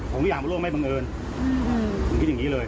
ผมอยากบอกว่าไม่บังเอิญผมคิดอย่างนี้เลย